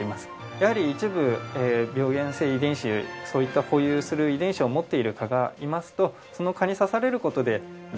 やはり一部病原性遺伝子そういった保有する遺伝子を持っている蚊がいますとそのそういった事をなくすようにですね